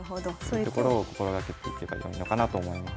そういうところを心がけていけばよいのかなと思います。